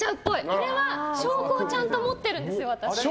これは私証拠をちゃんと持ってるんですよ。